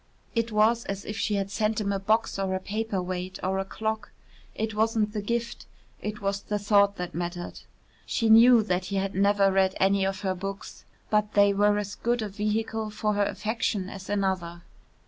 It was as if she had sent him a box or a paper weight or a clock. It wasn't the gift, it was the thought that mattered. She knew that he had never read any of her books, but they were as good a vehicle for her affection as another.